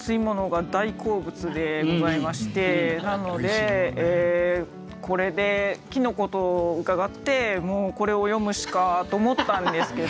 なのでこれで「茸」と伺ってもうこれを詠むしかと思ったんですけど。